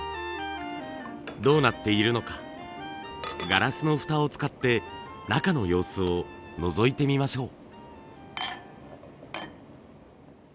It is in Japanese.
どうなっているのかガラスの蓋を使って中の様子をのぞいてみましょう。